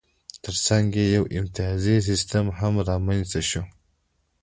ترڅنګ یې یو امتیازي سیستم هم رامنځته شو.